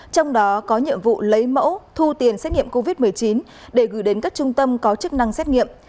trong đó có nhiệm vụ lấy mẫu thu tiền xét nghiệm covid một mươi chín để gửi đến các trung tâm có chức năng xét nghiệm